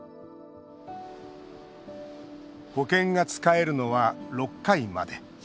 保険が使えるのは６回まで。